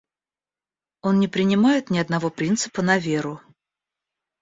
Он не принимает ни одного принципа на веру.